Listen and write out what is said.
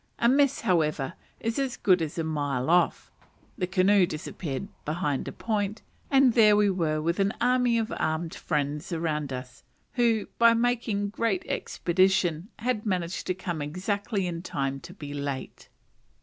A miss, however, is as good as a mile off. The canoe disappeared behind a point, and there we were with an army of armed friends around us, who, by making great expedition, had managed to come exactly in time to be too late.